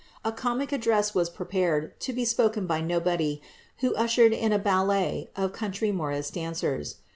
A comic address was prepared, to be spoken by Nobody, who ushered in a ballet of country morris dancers.